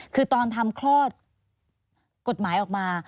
คือตอนทำคลอดกฎหมายออกมา